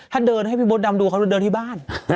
ถ้าเดินให้พี่มดดำดูเขาเดินที่บ้าน